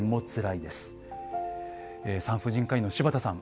産婦人科医の柴田さん。